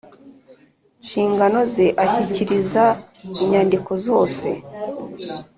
Nshingano ze ashyikiriza inyandiko zose